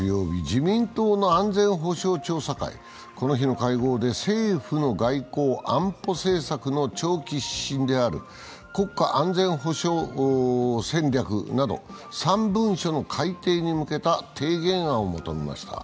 自民党の安全保障調査会、この日の会合で政府の外交・安保政策の長期指針である国家安全保障戦略など３文書の改定に向けた提言案をまとめました。